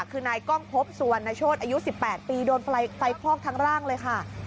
คือนายกล้องพบสุวรรณโชธอายุ๑๘ปีโดนไฟคลอกทั้งร่างเลยค่ะ